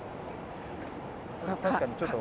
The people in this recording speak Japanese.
確かにちょっと。